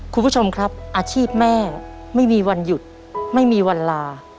คุณผู้ชมครับอาชีพแม่ไม่มีวันหยุดไม่มีวันลา